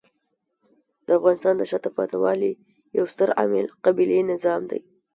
د افغانستان د شاته پاتې والي یو ستر عامل قبیلې نظام دی.